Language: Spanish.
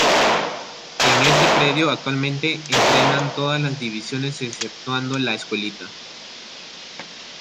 En este predio actualmente entrenan todas las divisiones exceptuando la escuelita.